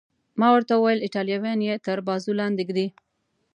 ما ورته وویل: ایټالویان یې تر بازو لاندې ږدي.